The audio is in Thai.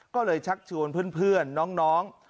ก็เลยชักชวนเพื่อนน้อง